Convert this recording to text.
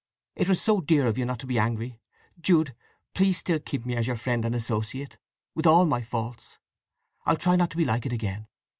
It was so dear of you not to be angry! Jude, please still keep me as your friend and associate, with all my faults. I'll try not to be like it again.